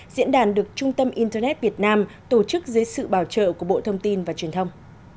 diễn đàn được trung tâm internet việt nam tổ chức dưới sự bảo trợ của bộ thông tin và truyền thông